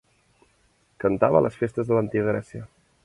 Cantava a les festes de l'antiga Grècia.